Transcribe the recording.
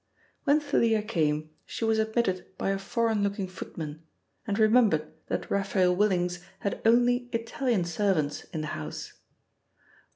When Thalia came she was admitted by a foreign looking footman and remembered that Raphael Willings had only Italian servants in the house.